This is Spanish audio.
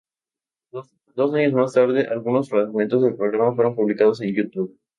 Dos años más tarde, algunos fragmentos del programa fueron publicados en YouTube.